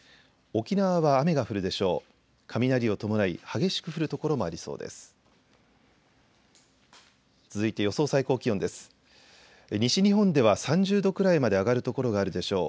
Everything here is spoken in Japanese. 沖縄は雨が降るでしょう。